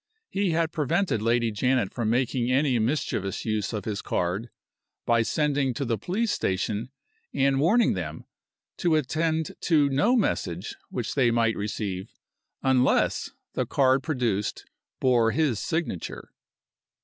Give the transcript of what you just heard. He had prevented Lady Janet from making any mischievous use of his card by sending to the police station and warning them to attend to no message which they might receive unless the card produced bore his signature.